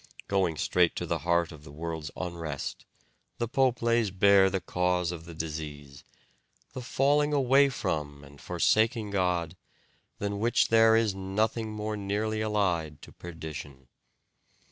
Going straight to the heart of the world's unrest, the pope lays bare the cause of the disease "the falling away from and forsaking God, than which there is nothing more nearly allied to perdition.